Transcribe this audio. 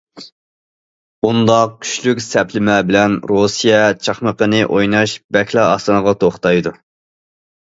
بۇنداق« كۈچلۈك» سەپلىمە بىلەن رۇسىيە چاقمىقىنى ئويناش بەكلا ئاسانغا توختايدۇ.